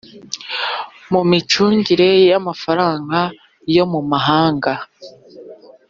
mu micungire y amafaranga yo mu mahanga